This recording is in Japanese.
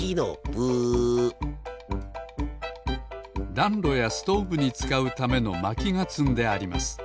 だんろやストーブにつかうためのまきがつんであります